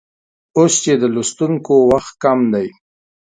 اوس چې د لوستونکو وخت کم دی